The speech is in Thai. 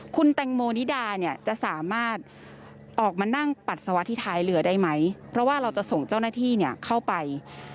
คุณแตงโมนิดาเนี่ยจะสามารถออกมานั่งปัสสาวะที่ท้ายเรือได้ไหมเพราะว่าเราจะส่งเจ้าหน้าที่เข้าไป